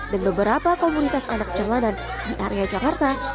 dan beberapa komunitas anak jalanan di area jakarta